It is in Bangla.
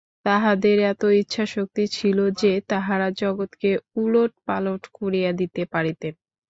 তাঁহাদের এত ইচ্ছাশক্তি ছিল যে, তাঁহারা জগৎকে ওলট-পালট করিয়া দিতে পারিতেন।